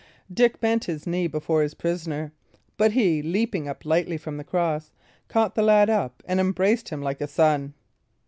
Dick bent his knee before his prisoner; but he, leaping up lightly from the cross, caught the lad up and embraced him like a son.